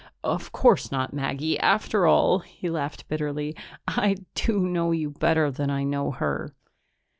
"Of course not, Maggie. After all " he laughed bitterly "I do know you better than I know her."